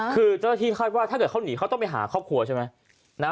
คือเจ้าหน้าที่คาดว่าถ้าเกิดเขาหนีเขาต้องไปหาครอบครัวใช่ไหม